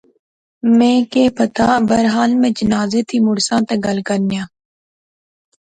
میں کہہ پتہ، بہرحال میں جنازے تھی مڑساں تہ گل کرنیاں